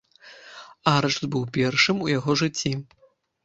Арышт быў першым у яго жыцці.